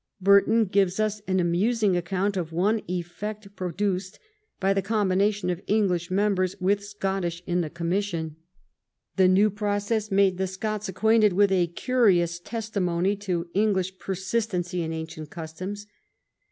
Bur ton gives us an amusing account of one effect pro duced by the combination of English members with Scottish in the commission. ^^ The new process made the Scots acquainted with a curious testimony to Eng lish persistency in ancient customs.